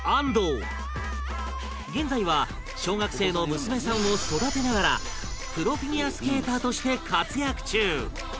現在は小学生の娘さんを育てながらプロフィギュアスケーターとして活躍中